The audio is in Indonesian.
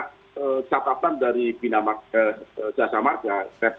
jadi kita bisa mengatakan dari binamarga jasamarga